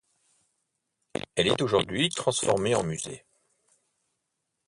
Elle est aujourd'hui transformée en musée.